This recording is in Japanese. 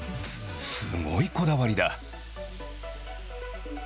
すごいこだわりだ！